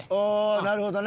なるほどね。